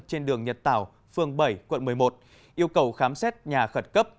trên đường nhật tảo phường bảy quận một mươi một yêu cầu khám xét nhà khẩn cấp